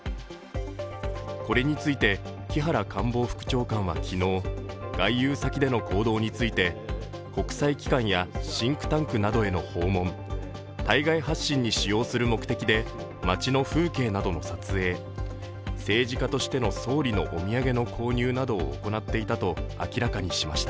これについて木原官房副長官は昨日、外遊先での行動について、国際機関やシンクタンクなどへの訪問、対外発信に使用する目的で街の風景などの撮影、政治家としての総理のお土産の購入などを行っていたと明らかにしました。